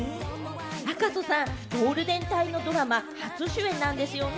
赤楚さん、ゴールデン帯のドラマ、初主演なんですよね？